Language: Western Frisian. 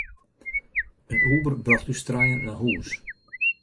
In Uber brocht ús trijen nei hûs.